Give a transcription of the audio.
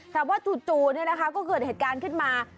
แต่ว่าจู่ก็เกิดเหตุการณ์ขึ้นมา